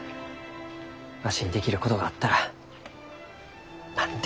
わしにできることがあったら何でもやるき。